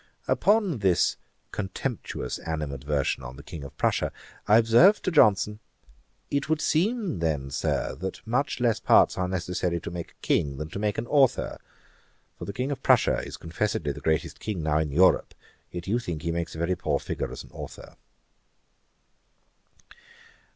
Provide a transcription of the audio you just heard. Upon this contemptuous animadversion on the King of Prussia, I observed to Johnson, 'It would seem then, Sir, that much less parts are necessary to make a King, than to make an Authour; for the King of Prussia is confessedly the greatest King now in Europe, yet you think he makes a very poor figure as an Authour.'